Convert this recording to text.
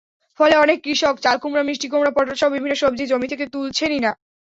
ফলে অনেক কৃষক চালকুমড়া, মিষ্টিকুমড়া, পটোলসহ বিভিন্ন সবজি জমি থেকে তুলছেনই না।